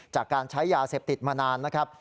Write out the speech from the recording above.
จากการใช้ยาเสพติดมานานนะครับ